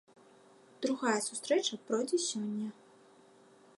Другая сустрэча пройдзе сёння.